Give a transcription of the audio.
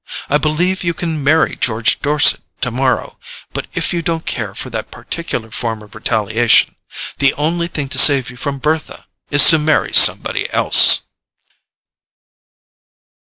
I believe you can marry George Dorset tomorrow; but if you don't care for that particular form of retaliation, the only thing to save you from Bertha is to marry somebody else."